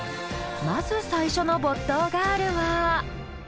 まず最初の没頭ガールは。